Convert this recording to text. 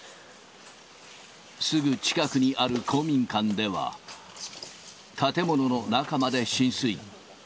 すぐ近くにある公民館では、建物の中まで浸水。